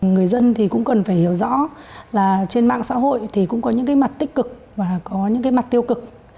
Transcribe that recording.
người dân thì cũng cần phải hiểu rõ là trên mạng xã hội thì cũng có những cái mặt tích cực và có những cái mặt tiêu cực